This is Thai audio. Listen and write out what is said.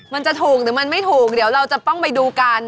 มันจะถูกหรือมันไม่ถูกเดี๋ยวเราจะต้องไปดูกัน